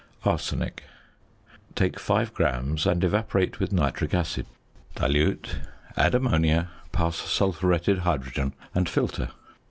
~Arsenic.~ Take 5 grams, and evaporate with nitric acid; dilute, add ammonia, pass sulphuretted hydrogen, and filter.